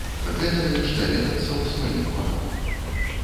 Гэта лепш даведацца ў сваім банку.